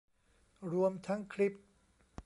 รวมทั้งคลิป